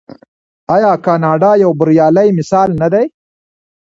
آیا کاناډا یو بریالی مثال نه دی؟